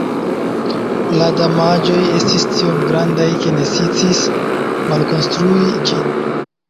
La damaĝoj estis tiom grandaj ke necesis malkonstrui ĝin.